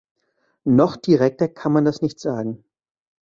Noch direkter kann man das nicht sagen.